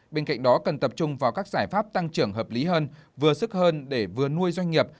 bên cạnh đó cần tập trung vào các giải pháp tăng trưởng hợp lý hơn vừa sức hơn để vừa nuôi doanh nghiệp